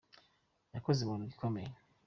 yakoze imanuka ikomeye